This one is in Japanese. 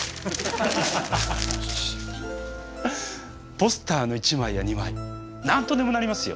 ポスターの１枚や２枚何とでもなりますよ。